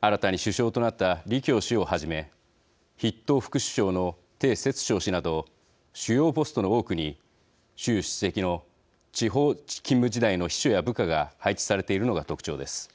新たに首相となった李強氏をはじめ筆頭副首相の丁せつ祥氏など主要ポストの多くに習主席の地方勤務時代の秘書や部下が配置されているのが特徴です。